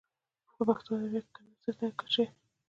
په پښتو ادبیاتو کې که نثر دی او که شعر.